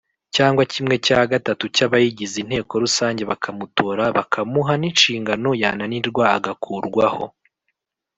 cyangwa kimwe cya gatatu cy’abayigize inteko rusange bakamutora bakamuha n’inshingano yananirwa agakurwaho.